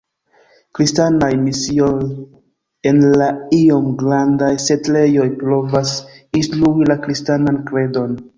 Kristanaj misioj en la iom grandaj setlejoj provas instrui la kristanan kredon.